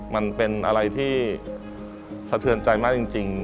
มันเป็นอะไรที่สะเทือนใจมากจริง